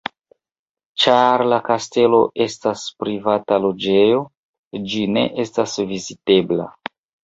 Ĉar la kastelo estas privata loĝejo, ĝi ne estas vizitebla.